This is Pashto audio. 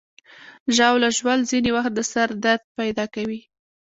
ژاوله ژوول ځینې وخت د سر درد پیدا کوي.